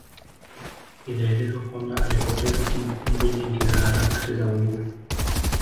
Inaelezwa kwamba alipoteza kumbukumbu nyingi za harakati za Uhuru